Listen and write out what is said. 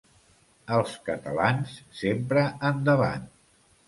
Els catalans, sempre endavant.